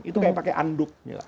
itu kaya pakai anduk